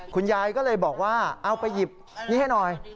คุณยายก็เลยบอกว่าเอาไปหยิบนี่ให้หน่อย